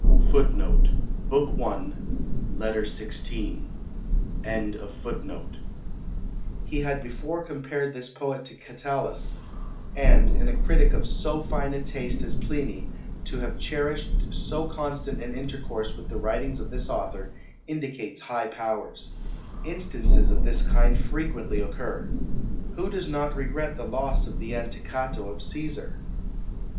" He had before compared this poet to Catullus; and in a critic of so fine a taste as Pliny, to have cherished so constant an intercourse with the writings of this author, indicates high powers. Instances of this kind frequently occur. Who does not regret the loss of the Anticato of Cæsar?